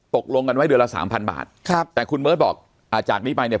ตกลงกันไว้เดือนละ๓๐๐๐บาทแต่คุณเบิร์ดบอกจากนี้ไปเนี่ย